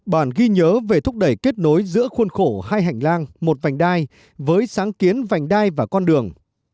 bản ghi nhớ về thúc đẩy kết nối giữa khuôn khổ hai hành lang một vành đai với sáng kiến vành đai và con đường